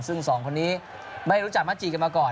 ซึ่งสองคนนี้ไม่รู้จักมักจีกันมาก่อน